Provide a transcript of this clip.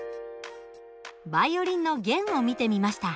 バイオリンの弦を見てみました。